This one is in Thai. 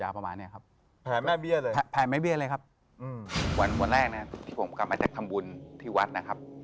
วันแรกไหนผมกลับมาจากทำบุญที่วัดนะครับ